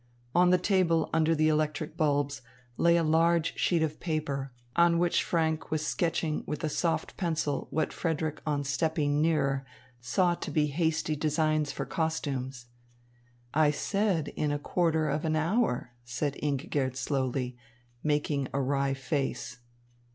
On the table under the electric bulbs, lay a large sheet of paper, on which Franck was sketching with a soft pencil what Frederick on stepping nearer saw to be hasty designs for costumes. "I said in a quarter of an hour," said Ingigerd slowly, making a wry face.